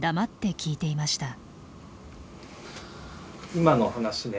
今の話ね。